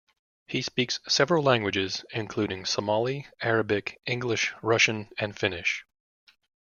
He speaks several languages, including Somali, Arabic, English, Russian and Finnish.